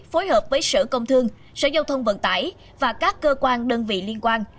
phối hợp với sở công thương sở giao thông vận tải và các cơ quan đơn vị liên quan